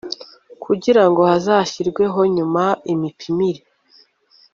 kugira ngo hazashyirweho nyuma imipimire